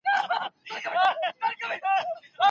نړیوال قوانین د ټولو هیوادونو لپاره مساوي پلي کیږي.